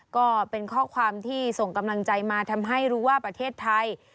ก็เป็นข้อความที่ส่งกำลังใจมาทำให้รู้ว่าประเทศไทย